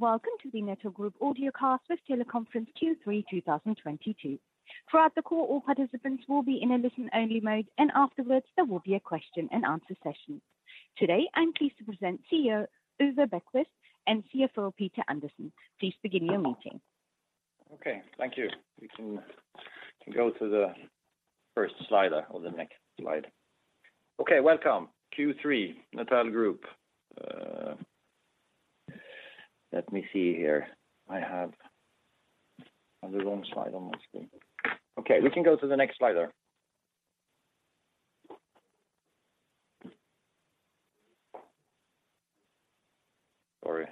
Welcome to the Netel Group audio cast with teleconference Q3 2022. Throughout the call, all participants will be in a listen-only mode, and afterwards, there will be a question and answer session. Today, I'm pleased to present CEO Ove Bergkvist and CFO Peter Andersson. Please begin your meeting. Okay, thank you. We can go to the first slide or the next slide. Okay, welcome Q3 Netel Group. Let me see here. I have the wrong slide on my screen. Okay, we can go to the next slide there. Sorry.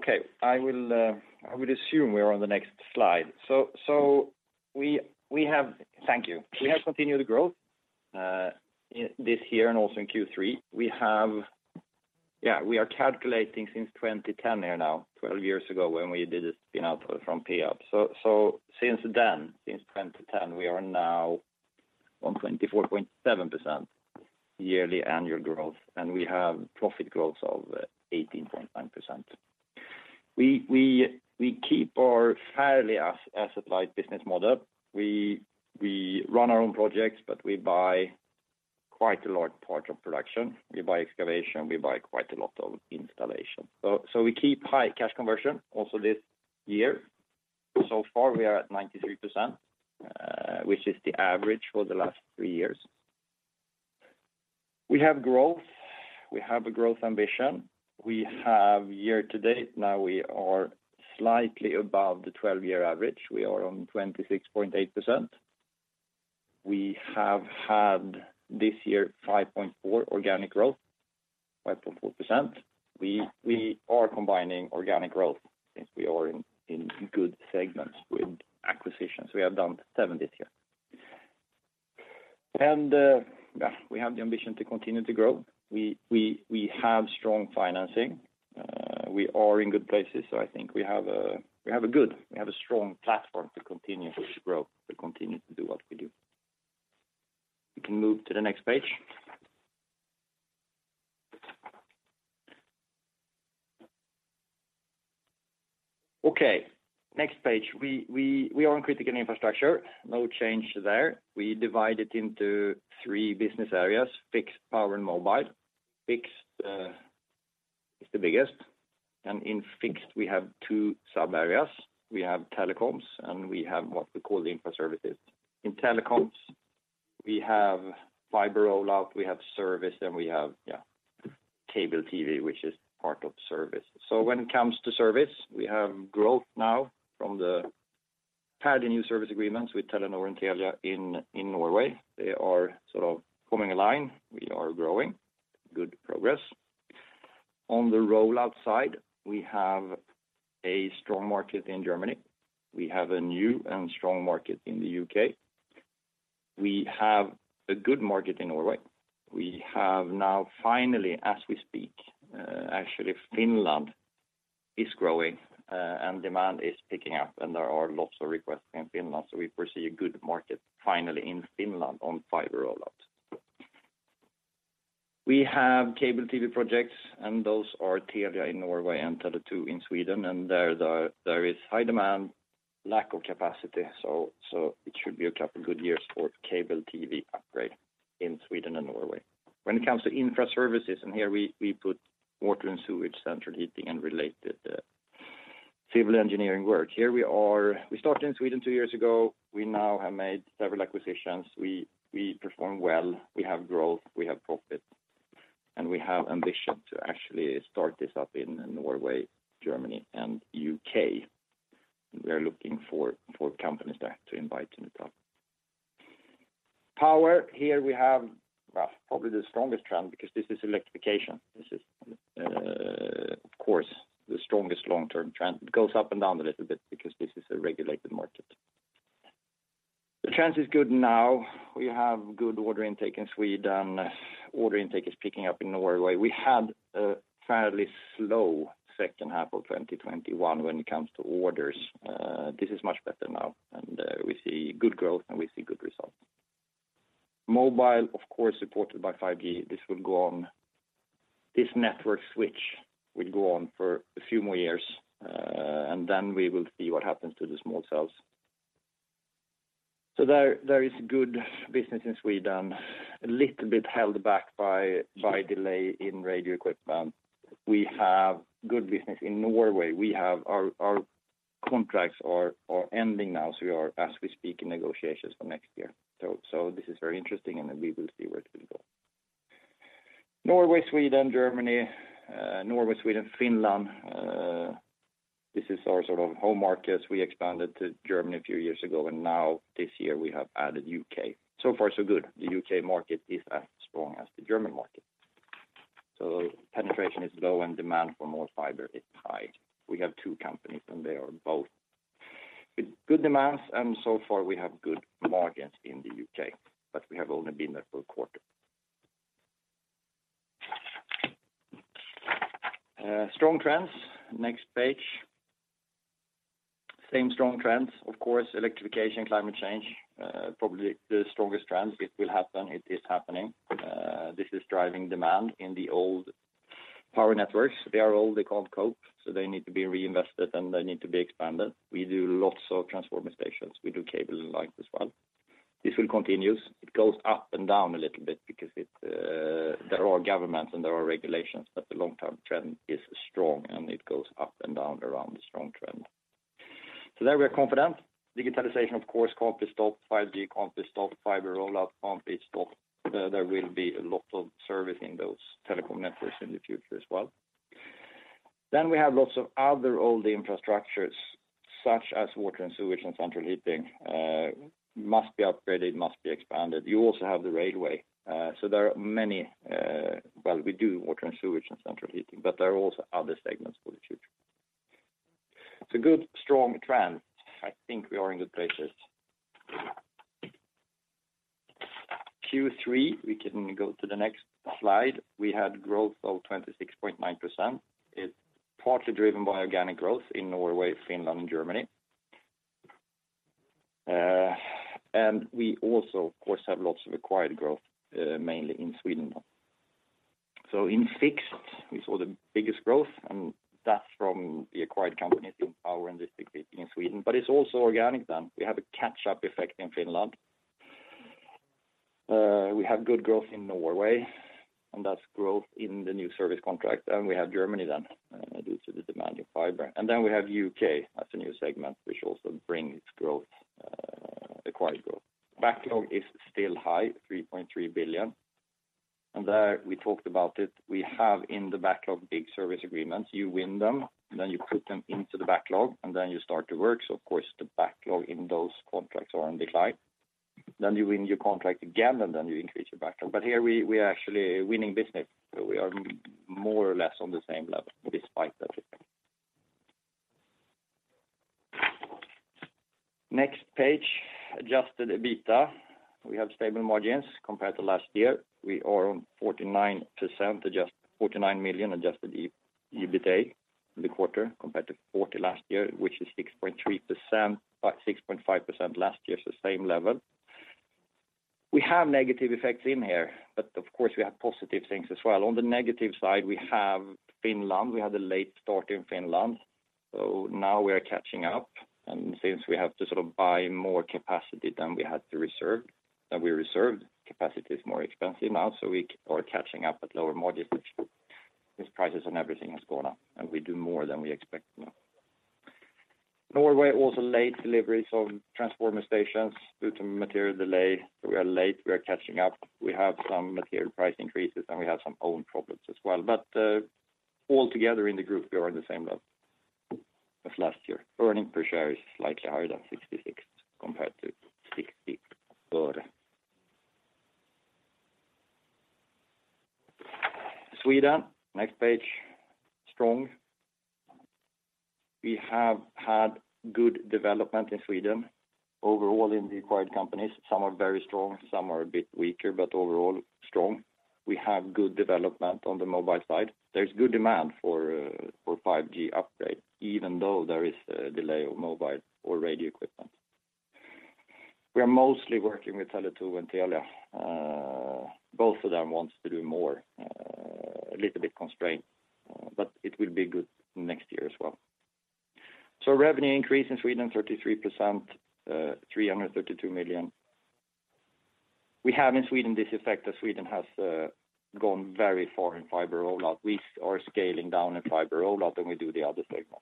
Okay. I would assume we are on the next slide. Thank you. We have continued growth this year and also in Q3. Yeah, we are calculating since 2010 here now, 12 years ago when we did a spin-out from Peab. Since 2010, we are now on 24.7% yearly annual growth, and we have profit growth of 18.9%. We keep our fairly asset-light business model. We run our own projects, but we buy quite a large part of production. We buy excavation, we buy quite a lot of installation. We keep high cash conversion also this year. So far, we are at 93%, which is the average for the last three years. We have growth, we have a growth ambition. We have year to date. Now we are slightly above the 12-year average. We are on 26.8%. We have had this year 5.4 organic growth, 5.4%. We are combining organic growth since we are in good segments with acquisitions. We have done seven this year. We have the ambition to continue to grow. We have strong financing. We are in good places. I think we have a strong platform to continue to grow, to continue to do what we do. We can move to the next page. Okay, next page. We are in critical infrastructure. No change there. We divide it into three business areas, fixed, power, and mobile. Fixed is the biggest. In fixed, we have two sub-areas. We have telecoms, and we have what we call infraservices. In telecoms, we have fiber rollout, we have service, and we have cable TV, which is part of service. When it comes to service, we have growth now from the fairly new service agreements with Telenor and Telia in Norway. They are sort of coming in line. We are growing. Good progress. On the rollout side, we have a strong market in Germany. We have a new and strong market in the U.K. We have a good market in Norway. We have now finally, as we speak, actually, Finland is growing, and demand is picking up, and there are lots of requests in Finland. We foresee a good market finally in Finland on fiber rollout. We have cable TV projects, and those are Telia in Norway and Tele2 in Sweden. There is high demand, lack of capacity. It should be a couple good years for cable TV upgrade in Sweden and Norway. When it comes to Infraservices, here we put water and sewage, central heating, and related civil engineering work. We started in Sweden two years ago. We now have made several acquisitions. We perform well. We have growth, we have profit, and we have ambition to actually start this up in Norway, Germany, and U.K. We are looking for companies there to invite to Netel. Power, here we have probably the strongest trend because this is electrification. This is, of course, the strongest long-term trend. It goes up and down a little bit because this is a regulated market. The trend is good now. We have good order intake in Sweden. Order intake is picking up in Norway. We had a fairly slow second half of 2021 when it comes to orders. This is much better now, and we see good growth, and we see good results. Mobile, of course, supported by 5G. This will go on. This network switch will go on for a few more years, and then we will see what happens to the small cells. There is good business in Sweden, a little bit held back by delay in radio equipment. We have good business in Norway. We have our contracts are ending now, so we are, as we speak, in negotiations for next year. This is very interesting, and we will see where it will go. Norway, Sweden, Germany. Norway, Sweden, Finland. This is our sort of home markets. We expanded to Germany a few years ago, and now this year we have added U.K. So far, so good. The U.K. market is as strong as the German market. Penetration is low and demand for more fiber is high. We have two companies, and they are both with good demands, and so far we have good margins in the U.K., but we have only been there for a quarter. Strong trends. Next page. Same strong trends, of course, electrification, climate change, probably the strongest trends. It will happen. It is happening. This is driving demand in the old power networks. They are old, they can't cope, so they need to be reinvested and they need to be expanded. We do lots of transformer stations. We do cable lines as well. This will continues. It goes up and down a little bit because there are governments and there are regulations that the long-term trend is strong and it goes up and down around the strong trend. There we are confident. Digitalization, of course, can't be stopped. 5G can't be stopped. Fiber rollout can't be stopped. There will be a lot of service in those telecom networks in the future as well. We have lots of other old infrastructures, such as water and sewage and central heating, must be upgraded, must be expanded. You also have the railway. There are many, well, we do water and sewage and central heating, but there are also other segments for the future. It's a good, strong trend. I think we are in good places. Q3, we can go to the next slide. We had growth of 26.9%. It's partly driven by organic growth in Norway, Finland, and Germany. We also, of course, have lots of acquired growth, mainly in Sweden. In fixed, we saw the biggest growth, and that's from the acquired companies in power and district heating in Sweden. It's also organic then. We have a catch-up effect in Finland. We have good growth in Norway, and that's growth in the new service contract. We have Germany then, due to the demand in fiber. Then we have U.K. as a new segment, which also brings growth, acquired growth. Backlog is still high, 3.3 billion. There we talked about it. We have in the backlog big service agreements. You win them, and then you put them into the backlog, and then you start the work. Of course, the backlog in those contracts are on decline. You win your contract again, and then you increase your backlog. Here we are actually winning business. We are more or less on the same level despite that effect. Next page, adjusted EBITDA. We have stable margins compared to last year. We are on 49 million adjusted EBITA in the quarter compared to 40 million last year, which is 6.3%, 6.5% last year, so same level. We have negative effects in here, but of course, we have positive things as well. On the negative side, we have Finland. We had a late start in Finland, so now we are catching up. Since we have to sort of buy more capacity than we had to reserve, than we reserved, capacity is more expensive now, so we are catching up at lower margin, which is prices and everything has gone up, and we do more than we expect now. Norway, also late delivery, so transformer stations due to material delay. We are late, we are catching up. We have some material price increases, and we have some own problems as well. Altogether in the group, we are in the same level as last year. Earnings per share is slightly higher than 66 compared to 60 before. Sweden, next page. Strong. We have had good development in Sweden. Overall in the acquired companies, some are very strong, some are a bit weaker, but overall strong. We have good development on the mobile side. There's good demand for 5G upgrade, even though there is a delay of mobile or radio equipment. We are mostly working with Tele2 and Telia. Both of them wants to do more, a little bit constrained, but it will be good next year as well. Revenue increase in Sweden, 33%, 332 million. We have in Sweden this effect that Sweden has gone very far in fiber rollout. We are scaling down in fiber rollout, and we do the other segment.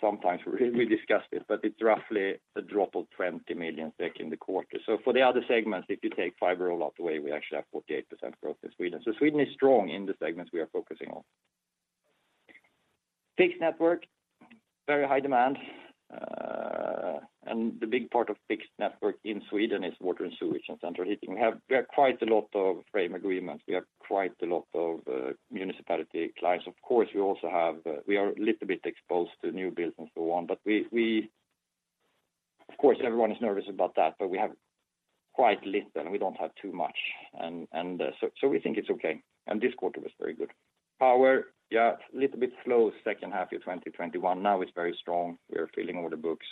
Sometimes we discuss this, but it's roughly a drop of 20 million SEK back in the quarter. For the other segments, if you take fiber rollout away, we actually have 48% growth in Sweden. Sweden is strong in the segments we are focusing on. Fixed network, very high demand. The big part of fixed network in Sweden is water and sewage and central heating. We have quite a lot of frame agreements. We have quite a lot of municipality clients. Of course, we are a little bit exposed to new builds and so on. Of course, everyone is nervous about that, but we have quite little. We don't have too much. We think it's okay. This quarter was very good. Power, yeah, a little bit slow second half year, 2021. Now it's very strong. We are filling all the books.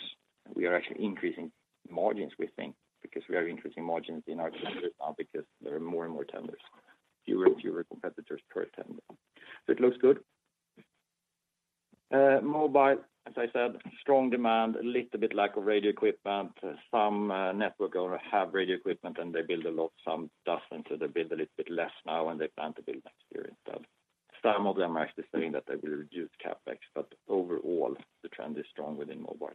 We are actually increasing margins, we think, because we are increasing margins in our tenders now because there are more and more tenders, fewer and fewer competitors per tender. So it looks good. Mobile, as I said, strong demand, a little bit lack of radio equipment. Some network have radio equipment, and they build a lot. Some doesn't, so they build a little bit less now, and they plan to build next year instead. Some of them are actually saying that they will reduce CapEx, but overall, the trend is strong within mobile.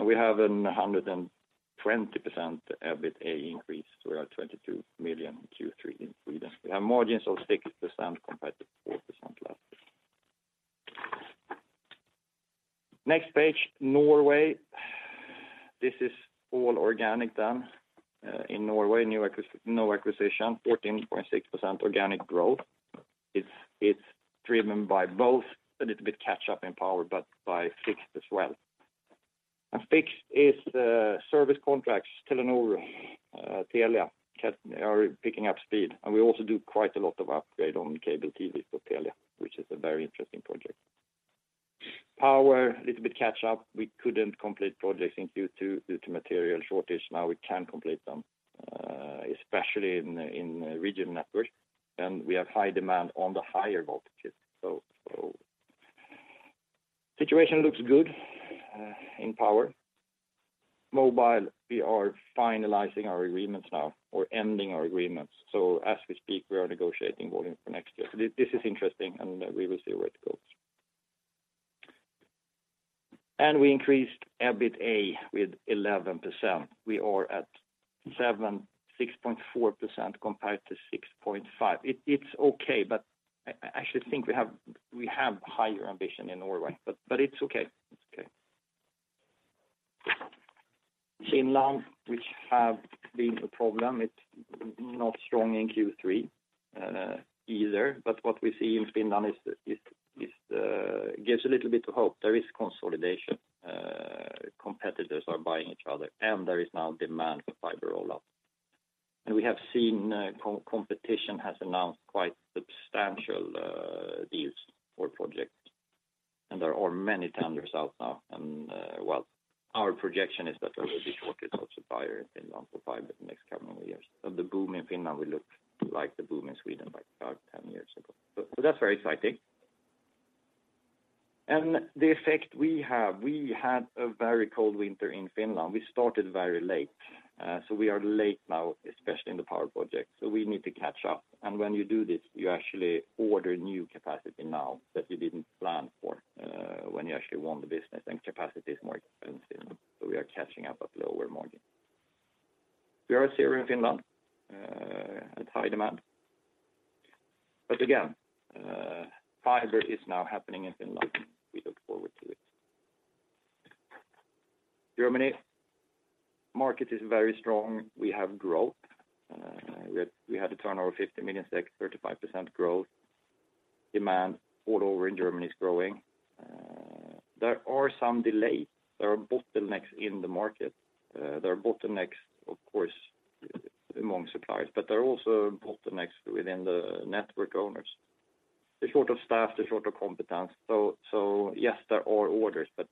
We have a 120% EBITA increase. We are at 22 million Q3 in Sweden. We have margins of 60% compared to 4% last year. Next page, Norway. This is all organic done in Norway. No acquisition, 14.6% organic growth. It's driven by both a little bit catch-up in Power, but by Fixed as well. Fixed is the service contracts Telenor, Telia are picking up speed, and we also do quite a lot of upgrade on cable TV for Telia, which is a very interesting project. Power, little bit catch-up. We couldn't complete projects in Q2 due to material shortage. Now we can complete them, especially in region networks, and we have high demand on the higher voltages. Situation looks good in Power. Mobile, we are finalizing our agreements now or ending our agreements. As we speak, we are negotiating volume for next year. This is interesting, and we will see where it goes. We increased EBITA with 11%. We are at 7.6% compared to 6.5%. It's okay, but I actually think we have higher ambition in Norway, but it's okay. It's okay. Finland, which have been a problem, it's not strong in Q3, either. What we see in Finland is gives a little bit of hope. There is consolidation. Competitors are buying each other, and there is now demand for fiber rollout. We have seen competition has announced quite substantial deals for projects. There are many tenders out now. Well, our projection is that there will be shortage of supplier in Finland for fiber the next couple of years. The boom in Finland will look like the boom in Sweden, like about 10 years ago. That's very exciting. The effect we have, we had a very cold winter in Finland. We started very late. We are late now, especially in the power project, so we need to catch up. When you do this, you actually order new capacity now that you didn't plan for, when you actually won the business, and capacity is more expensive. We are catching up at lower margin. We are still in Finland at high demand. Again, fiber is now happening in Finland. We look forward to it. Germany market is very strong. We have growth. We had to turn over 50 million, 35% growth. Demand all over in Germany is growing. There are some delays. There are bottlenecks in the market. There are bottlenecks, of course, among suppliers, but there are also bottlenecks within the network owners. They're short of staff, they're short of competence. Yes, there are orders, but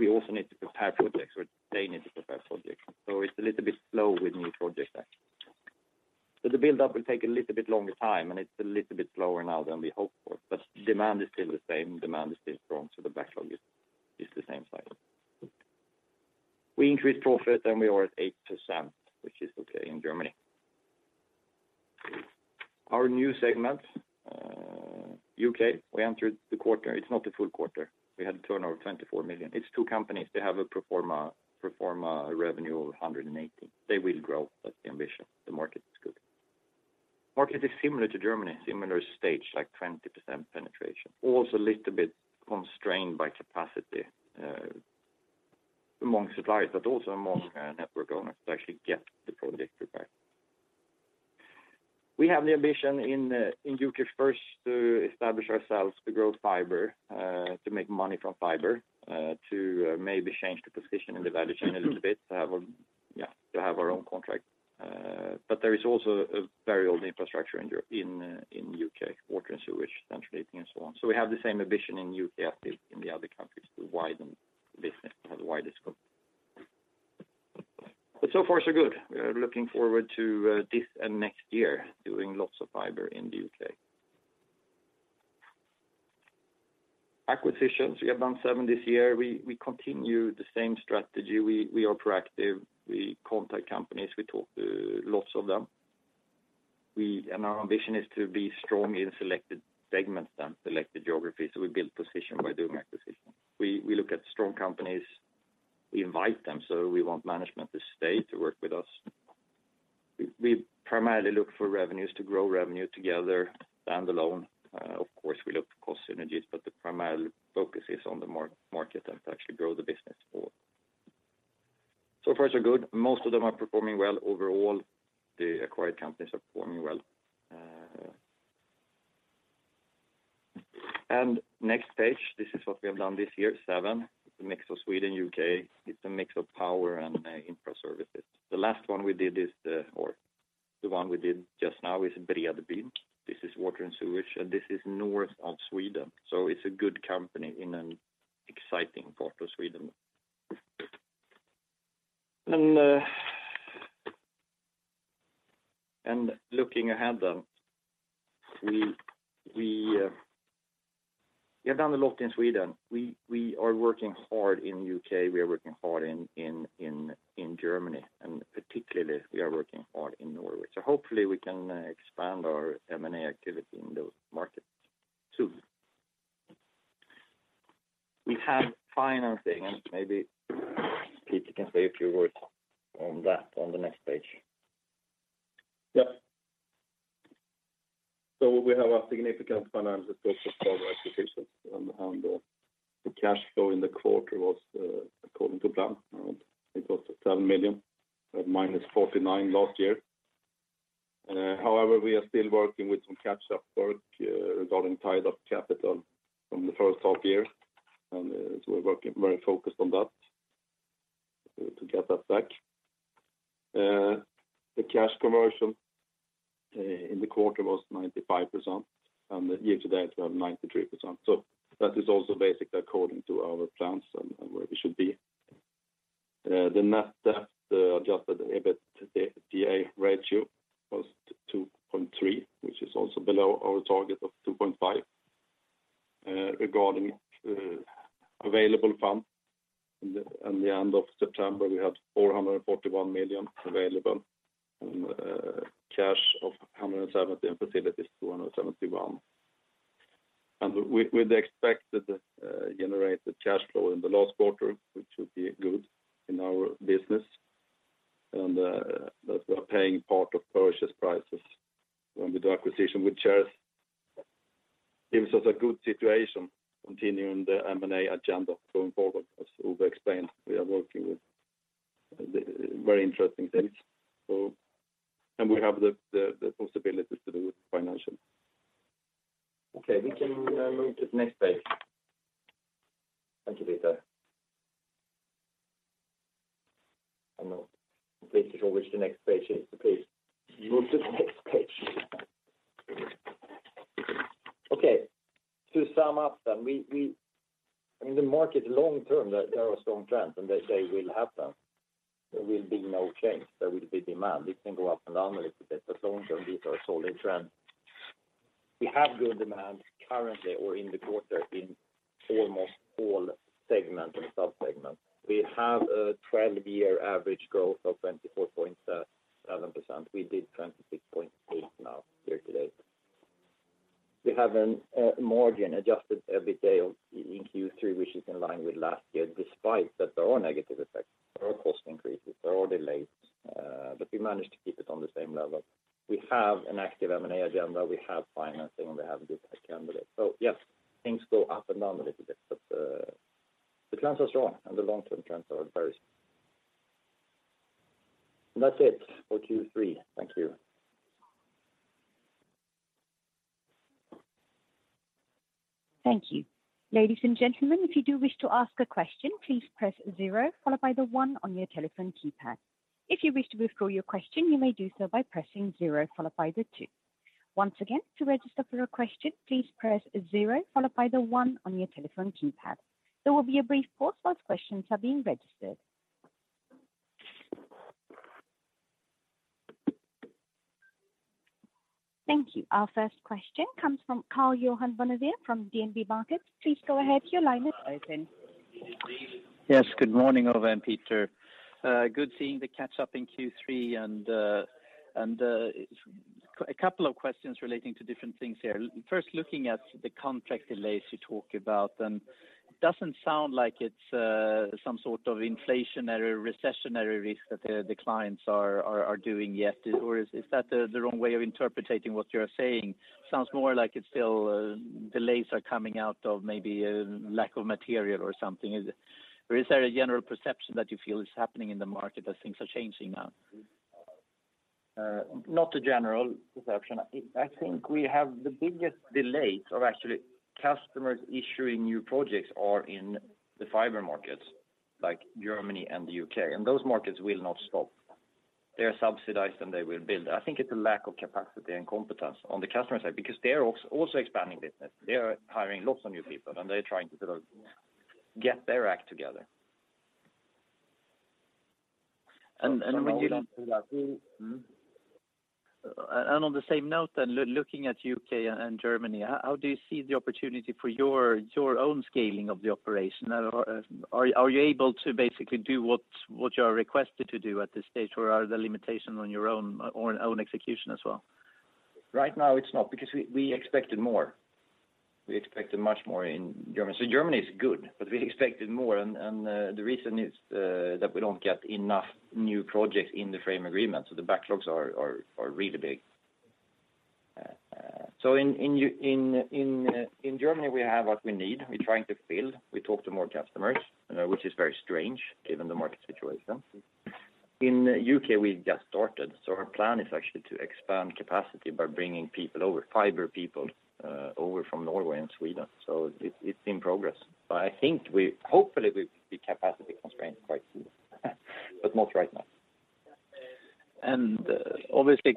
we also need to prepare projects, or they need to prepare projects. It's a little bit slow with new projects actually. The buildup will take a little bit longer time, and it's a little bit slower now than we hoped for. Demand is still the same. Demand is still strong, the backlog is the same size. We increased profit, and we are at 8%, which is okay in Germany. Our new segment, U.K., we entered the quarter. It's not a full quarter. We had to turn over 24 million. It's two companies. They have a pro forma revenue of 180 million. They will grow. That's the ambition. The market is good. Market is similar to Germany, similar stage, like 20% penetration. A little bit constrained by capacity among suppliers, but also among network owners to actually get the project prepared. We have the ambition in the U.K. first to establish ourselves to grow fiber, to make money from fiber, to maybe change the position in the value chain a little bit, to have our own contract. There is also a very old infrastructure in the U.K., water and sewage, central heating and so on. We have the same ambition in the U.K. as in the other countries to widen the business, have the widest scope. So far, so good. We are looking forward to this and next year doing lots of fiber in the U.K. Acquisitions, we have done seven this year. We continue the same strategy. We are proactive. We contact companies. We talk to lots of them. Our ambition is to be strong in selected segments in selected geographies. We build position by doing acquisitions. We look at strong companies. We invite them, so we want management to stay to work with us. We primarily look for revenues to grow revenue together than alone. Of course, we look for cost synergies, but the primary focus is on the market and to actually grow the business more. So far, so good. Most of them are performing well. Overall, the acquired companies are performing well. Next page, this is what we have done this year, seven. It's a mix of Sweden, U.K. It's a mix of Power and Infraservices. The last one we did is, or the one we did just now is, Bredablick. This is water and sewage, and this is north of Sweden. It's a good company in an exciting part of Sweden. Looking ahead then, we have done a lot in Sweden. We are working hard in U.K., we are working hard in Germany, and particularly we are working hard in Norway. Hopefully, we can expand our M&A activity in those markets too. We have financing, and maybe Peter can say a few words on that on the next page. We have a significant financial focus for the acquisitions. On the other hand, the cash flow in the quarter was according to plan. It was 7 million, minus 49 million last year. However, we are still working with some catch-up work regarding tied up capital from the first half year, and so we're working very focused on that to get that back. The cash conversion in the quarter was 95%, and the year to date we have 93%. That is also basically according to our plans and where we should be. The net debt adjusted EBITDA ratio was 2.3, which is also below our target of 2.5. Regarding available funds, in the end of September, we had 441 million available, cash of 170 million and facilities 271 million. We'd expect that generate the cash flow in the last quarter, which should be good in our business. That we are paying part of purchase prices with the acquisition with shares gives us a good situation continuing the M&A agenda going forward. As Ove explained, we are working with the very interesting things. We have the possibilities to do it financially. Okay. We can move to the next page. Thank you, Peter. I'm not completely sure which the next page is, so please move to the next page. Okay. To sum up then, we In the market long term, there are strong trends, and they will happen. There will be no change. There will be demand. It can go up and down a little bit, but long term, these are solid trends. We have good demand currently or in the quarter in almost all segments and sub-segments. We have a 12-year average growth of 24.7%. We did 26.8% year to date. We have a margin-adjusted EBITA in Q3, which is in line with last year, despite that there are negative effects, there are cost increases, there are delays, but we managed to keep it on the same level. We have an active M&A agenda, we have financing, and we have a good candidate. Yes, things go up and down a little bit, but the trends are strong, and the long-term trends are very strong. That's it for Q3. Thank you. Thank you. Ladies and gentlemen, if you do wish to ask a question, please press zero followed by the one on your telephone keypad. If you wish to withdraw your question, you may do so by pressing zero followed by the two. Once again, to register for a question, please press zero followed by the one on your telephone keypad. There will be a brief pause while questions are being registered. Thank you. Our first question comes from Karl-Johan Bonnevier from DNB Markets. Please go ahead. Your line is open. Yes. Good morning, Ove and Peter. Good seeing the catch-up in Q3 and a couple of questions relating to different things here. First looking at the contract delays you talked about, doesn't sound like it's some sort of inflationary recessionary risk that the clients are doing yet or is that the wrong way of interpreting what you're saying? Sounds more like it's still delays are coming out of maybe lack of material or something. Is it or is there a general perception that you feel is happening in the market as things are changing now? Not a general perception. I think we have the biggest delays of actually customers issuing new projects are in the fiber markets like Germany and the U.K., and those markets will not stop. They are subsidized, and they will build. I think it's a lack of capacity and competence on the customer side because they're also expanding business. They are hiring lots of new people, and they're trying to sort of get their act together. Looking at U.K. and Germany, how do you see the opportunity for your own scaling of the operation? Or, are you able to basically do what you are requested to do at this stage, or are there limitation on your own execution as well? Right now it's not because we expected more. We expected much more in Germany. Germany is good, but we expected more. The reason is that we don't get enough new projects in the frame agreement, so the backlogs are really big. In Germany, we have what we need. We're trying to build. We talk to more customers, which is very strange given the market situation. In U.K., we've just started. Our plan is actually to expand capacity by bringing people over, fiber people, over from Norway and Sweden. It's in progress. I think hopefully, we will be capacity constrained quite soon, but not right now. Obviously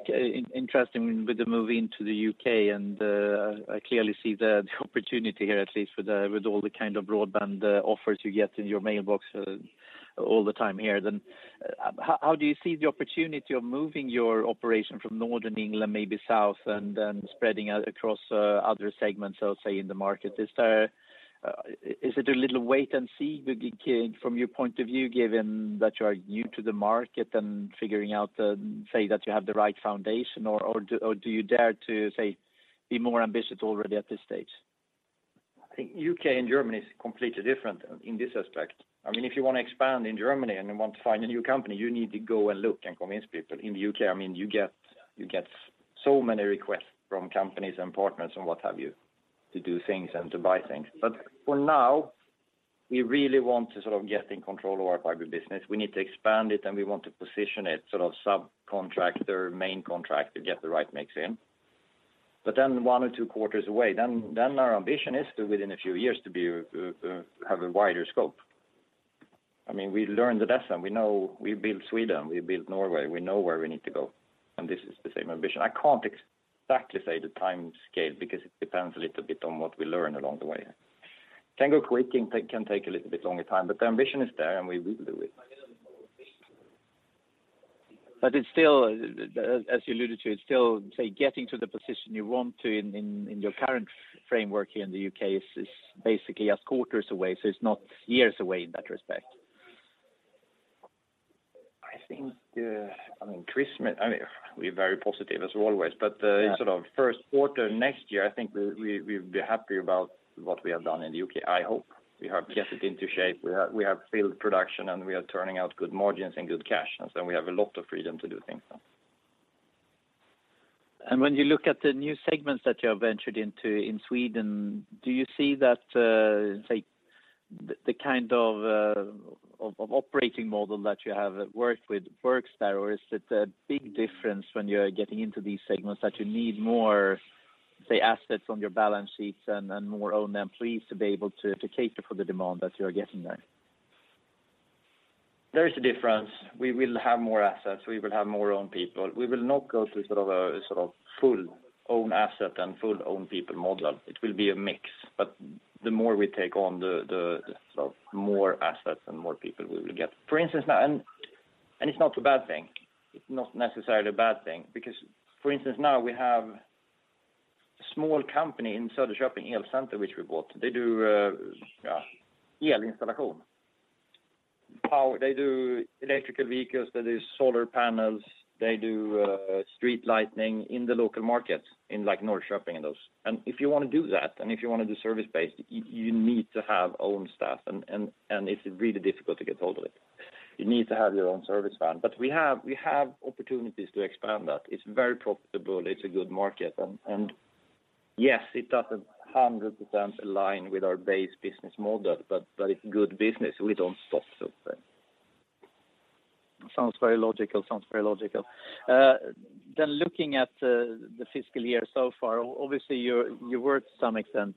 interesting with the move into the U.K., and I clearly see the opportunity here, at least with all the kind of broadband offers you get in your mailbox all the time here. How do you see the opportunity of moving your operation from Northern England, maybe south, and then spreading across other segments, I'll say, in the market? Is it a little wait and see from your point of view, given that you are new to the market and figuring out, say, that you have the right foundation, or do you dare to, say, be more ambitious already at this stage? I think U.K. and Germany is completely different in this aspect. I mean, if you wanna expand in Germany and you want to find a new company, you need to go and look and convince people. In the U.K., I mean, you get so many requests from companies and partners and what have you to do things and to buy things. For now, we really want to sort of get in control of our fiber business. We need to expand it, and we want to position it sort of subcontractor, main contractor, get the right mix in. Then one or two quarters away, our ambition is to, within a few years to be, have a wider scope. I mean, we learned the lesson. We know we built Sweden, we built Norway, we know where we need to go, and this is the same ambition. I can't exactly say the timescale because it depends a little bit on what we learn along the way. Can go quick, can take a little bit longer time, but the ambition is there and we will do it. It's still, as you alluded to, it's still, say, getting to the position you want to in your current framework here in the U.K. is basically just quarters away, so it's not years away in that respect. I think, I mean, we're very positive as always. Yeah Sort of first quarter next year, I think we'll be happy about what we have done in the U.K. I hope we have get it into shape. We have field production, and we are turning out good margins and good cash. We have a lot of freedom to do things now. When you look at the new segments that you have ventured into in Sweden, do you see that, say, the kind of operating model that you have worked with works there? Or is it a big difference when you're getting into these segments that you need more, say, assets on your balance sheets and more own employees to be able to cater for the demand that you're getting there? There is a difference. We will have more assets. We will have more own people. We will not go to sort of a full own asset and full own people model. It will be a mix, but the more we take on the sort of more assets and more people we will get. For instance now. It's not a bad thing. It's not necessarily a bad thing because for instance, now we have a small company in Söderköping, El-Center, which we bought. They do elinstallation. They do electric vehicles, they do solar panels, they do street lighting in the local market in like Norrköping and those. If you want to do that, and if you want to do service-based, you need to have own staff and it's really difficult to get hold of it. You need to have your own service van. We have opportunities to expand that. It's very profitable. It's a good market. Yes, it doesn't 100% align with our base business model, but it's good business. We don't stop. Sounds very logical. Looking at the fiscal year so far, obviously you were to some extent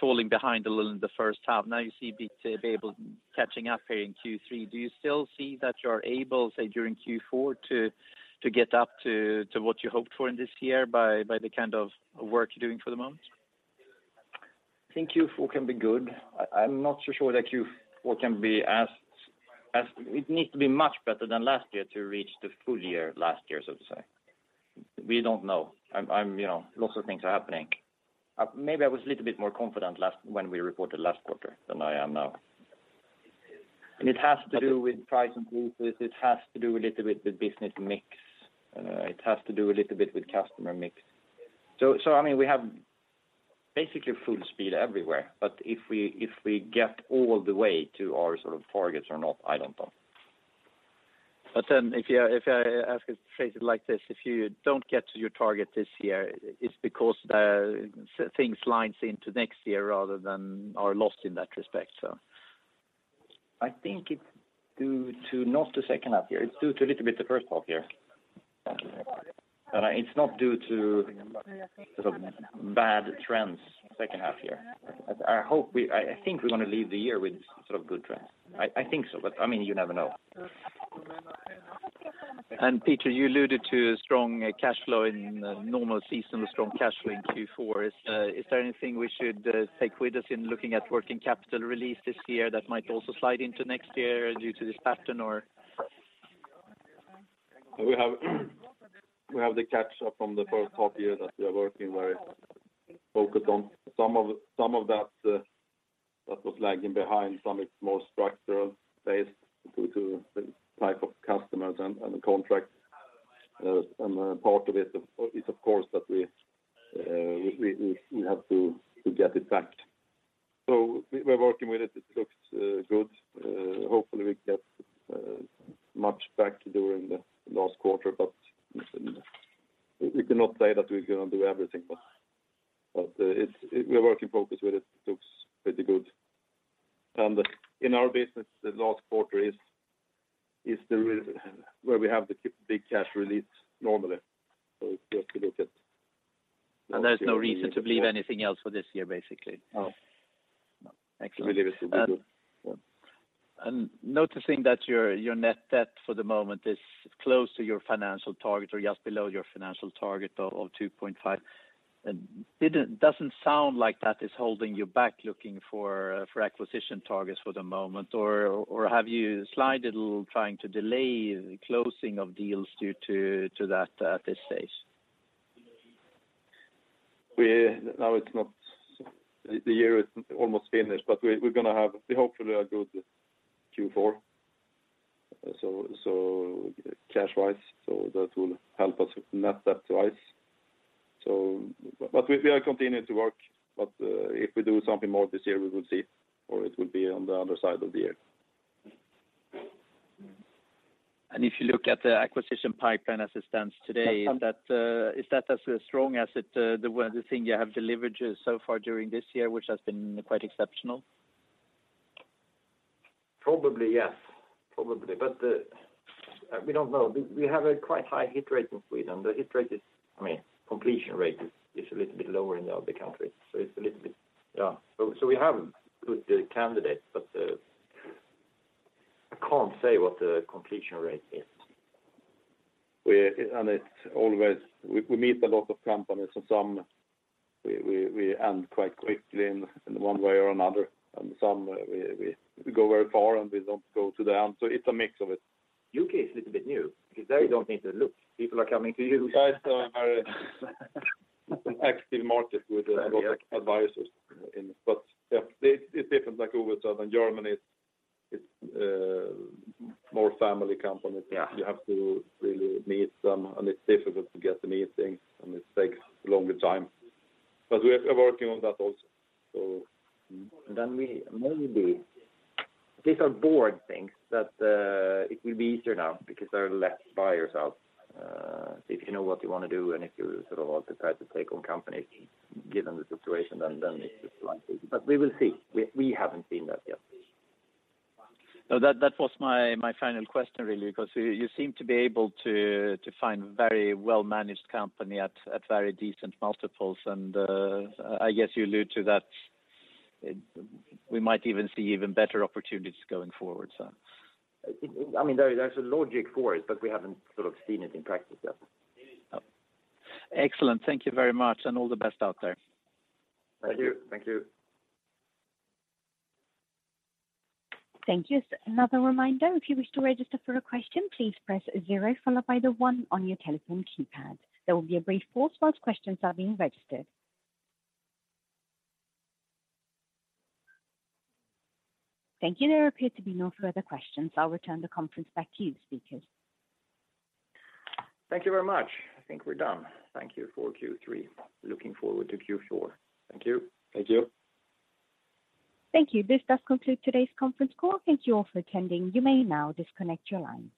falling behind a little in the first half. Now you see to be able to catch up here in Q3. Do you still see that you're able, say, during Q4 to get up to what you hoped for in this year by the kind of work you're doing for the moment? I think Q4 can be good. I'm not so sure that Q4 can be. It needs to be much better than last year to reach the full year last year, so to say. We don't know. I'm you know, lots of things are happening. Maybe I was a little bit more confident when we reported last quarter than I am now. It has to do with price increases, it has to do a little bit with business mix, it has to do a little bit with customer mix. I mean, we have basically full speed everywhere. If we get all the way to our sort of targets or not, I don't know. Phrase it like this, if you don't get to your target this year, it's because the things line into next year rather than are lost in that respect, so. I think it's due to not the second half year. It's due to a little bit the first half year. It's not due to sort of bad trends second half year. I think we're going to leave the year with sort of good trends. I think so, but I mean, you never know. Peter, you alluded to strong cash flow in normal season, strong cash flow in Q4. Is there anything we should take with us in looking at working capital release this year that might also slide into next year due to this pattern or? We have the catch up from the first half year that we are working very focused on. Some of that was lagging behind, some it's more structural based due to the type of customers and contracts. Part of it is of course that we have to get it back. We're working with it. It looks good. Hopefully we get much back during the last quarter, but we cannot say that we're gonna do everything. We are working focused with it. It looks pretty good. In our business, the last quarter is where we have the big cash release normally. If you have to look at There's no reason to believe anything else for this year, basically? No. Excellent. We believe it will be good. Yeah. Noticing that your net debt for the moment is close to your financial target or just below your financial target of 2.5. It doesn't sound like that is holding you back looking for acquisition targets for the moment or have you slowed a little trying to delay the closing of deals due to that at this stage? The year is almost finished, but we're gonna have hopefully a good Q4. Cash-wise, that will help us net that twice. We are continuing to work. If we do something more this year, we will see, or it will be on the other side of the year. If you look at the acquisition pipeline as it stands today, is that as strong as it, the thing you have delivered so far during this year, which has been quite exceptional? Probably, yes. Probably. We don't know. We have a quite high hit rate in Sweden. The hit rate is, I mean, completion rate is a little bit lower in the other countries, so it's a little bit. Yeah. We have good candidates, but I can't say what the completion rate is. It's always. We meet a lot of companies and some we end quite quickly in one way or another, and some we go very far and we don't go to the end. It's a mix of it. U.K. is a little bit new because they don't need to look. People are coming to you. You guys are an active market with a lot of advisors in. Yeah, it's different, like Ove said. In Germany it's more family companies. Yeah. You have to really meet them, and it's difficult to get the meetings, and it takes a longer time. We are working on that also, so. These are board things that it will be easier now because there are less buyers out. So if you know what you want to do and if you sort of want to try to take on companies given the situation, then it's likely. We will see. We haven't seen that yet. No. That was my final question really, because you seem to be able to find very well-managed company at very decent multiples and, I guess you allude to that, we might even see even better opportunities going forward, so. I mean, there's a logic for it, but we haven't sort of seen it in practice yet. Oh. Excellent. Thank you very much and all the best out there. Thank you. Thank you. Thank you. Another reminder, if you wish to register for a question, please press zero followed by the one on your telephone keypad. There will be a brief pause while questions are being registered. Thank you. There appear to be no further questions. I'll return the conference back to you, speakers. Thank you very much. I think we're done. Thank you for Q3. Looking forward to Q4. Thank you. Thank you. Thank you. This does conclude today's conference call. Thank you all for attending. You may now disconnect your lines.